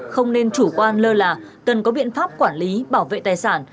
không nên chủ quan lơ là cần có biện pháp quản lý bảo vệ tài sản